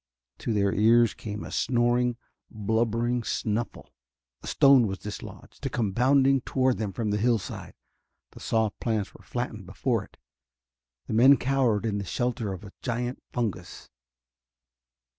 To their ears came a snoring, blubbering snuffle. A stone was dislodged, to come bounding toward them from the hillside; the soft plants were flattened before it. The men cowered in the shelter of a giant fungus.